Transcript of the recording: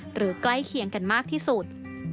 ใกล้เคียงกันมากที่สุด